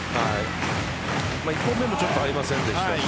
１本目もちょっと合いませんでしたし